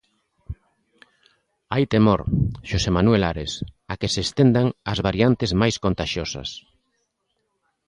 Hai temor, Xosé Manuel Ares, a que se estendan as variantes máis contaxiosas...